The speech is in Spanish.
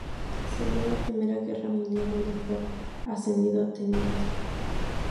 Sirvió en la Primera Guerra Mundial, donde fue ascendido a teniente.